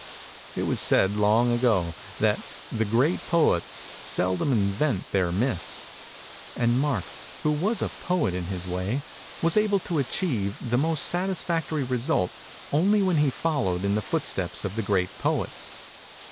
It was said long ago that "great poets seldom invent their myths"; and Mark, who was a poet in his way, was able to achieve the most satisfactory result only when he followed in the footsteps of the great poets.